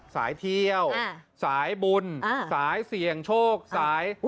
สายเที่ยวสายบุญสายเสี่ยงโชคสาย